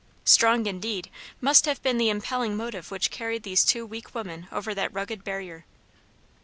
Strong indeed must have been the impelling motive which carried these two weak women over that rugged barrier!